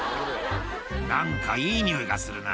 「何かいい匂いがするな」